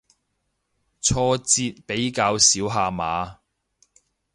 挫折比較少下嘛